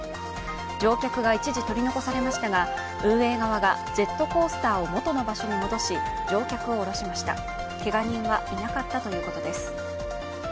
乗客が一時取り残されましたが運営側がジェットコースターを元の場所に戻し、乗客を降ろしました、けが人はいなかったということです。